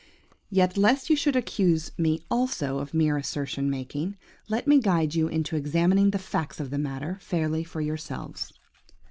"Yet, lest you should accuse me also of mere assertion making, let me guide you into examining the facts of the matter fairly for yourselves.